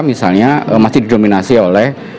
misalnya masih didominasi oleh